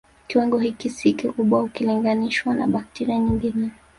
Kiwango hiki si kikubwa ukilinganishwa na bakteria nyingine